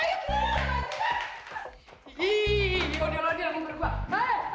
ih ini udah berubah